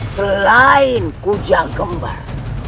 selain kuja gembar